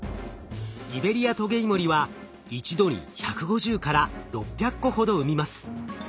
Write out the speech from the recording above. イベリアトゲイモリは一度に１５０６００個ほど産みます。